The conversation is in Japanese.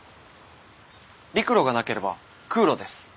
陸路がなければ空路です。